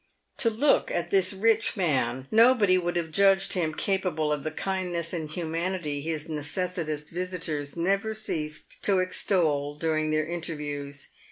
To look at this rich man, nobody would have judged him capable of the kindness and humanity his necessitous visitors never ceased to extol during their interviews.